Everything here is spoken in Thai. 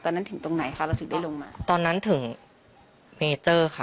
ถึงตรงไหนคะเราถึงได้ลงมาตอนนั้นถึงเมเจอร์ค่ะ